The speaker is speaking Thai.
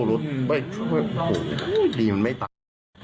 โอ้โหดีมันไม่ตาย